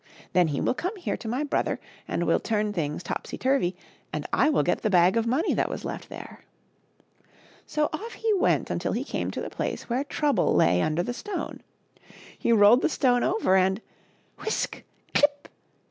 Then he will come here to my brother and will turn things topsy turvy, and I will get the bag of money that was left there." So, off he went until he came to the place where Trouble lay under the stone. He rolled the stone over, and — whisk ! clip !